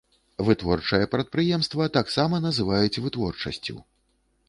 Вытворчае прадпрыемства таксама называюць вытворчасцю.